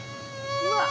うわっ。